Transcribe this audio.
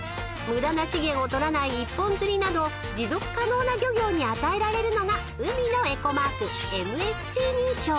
［無駄な資源をとらない一本釣りなど持続可能な漁業に与えられるのが海のエコマーク］